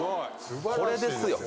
これですよ。